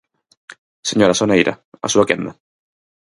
Señora Soneira, a súa quenda.